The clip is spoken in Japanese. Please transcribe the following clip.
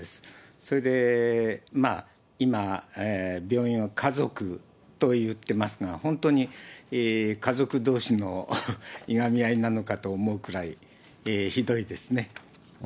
それでまあ、今、病院は家族と言ってますが、本当に家族どうしのいがみ合いなのかと思うくらい、ひどいですね。